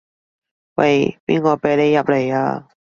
喂，邊個畀你入來啊？